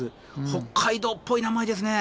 北海道っぽい名前ですね。